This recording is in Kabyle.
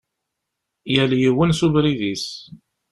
Yal yiwen s ubrid-is.